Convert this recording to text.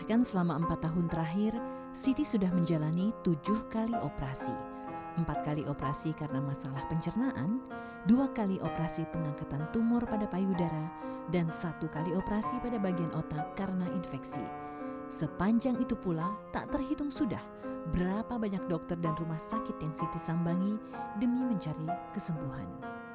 bahkan selama empat tahun terakhir siti sudah menjalani tujuh kali operasi empat kali operasi karena masalah pencernaan dua kali operasi pengangkatan tumor pada payudara dan satu kali operasi pada bagian otak karena infeksi sepanjang itu pula tak terhitung sudah berapa banyak dokter dan rumah sakit yang siti sambangi demi mencari kesembuhan